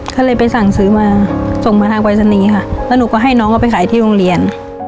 ก็เลยไปสั่งซื้อมาส่งมาทางปรายศนีย์ค่ะแล้วหนูก็ให้น้องเขาไปขายที่โรงเรียน